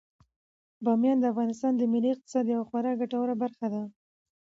بامیان د افغانستان د ملي اقتصاد یوه خورا ګټوره برخه ده.